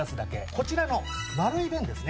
こちらの丸い弁ですね。